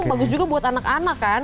bagus juga buat anak anak kan